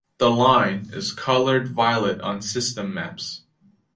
The line is colored violet on system maps.